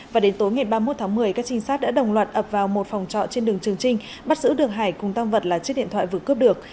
và đến tối ngày ba mươi một tháng một mươi các trinh sát đã đồng loạt ập vào một phòng trọ trên đường trường trinh bắt giữ được hải cùng tăng vật là chiếc điện thoại vừa cướp được